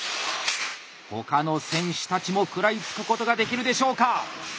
他の選手たちも食らいつくことができるでしょうか